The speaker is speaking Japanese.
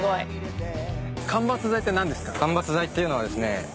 間伐材っていうのはですね